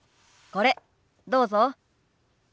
これどうぞ。